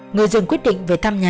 người rừng quyết định về thăm nhà